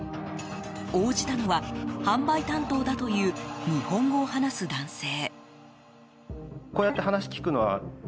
応じたのは、販売担当だという日本語を話す男性。